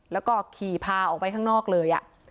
แล้วก็ขี่พาออกไปข้างนอกเลย